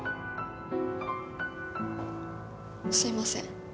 すいません。